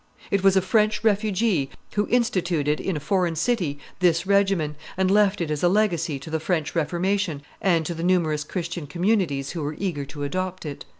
It was a French refugee who instituted, in a foreign city, this regimen, and left it as a legacy to the French Reformation and to the numerous Christian communities who were eager to adopt it.